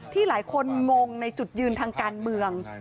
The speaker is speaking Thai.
หลายคนงงในจุดยืนทางการเมือง